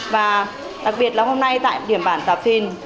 và đặc biệt là hôm nay tại điểm bản tà phìn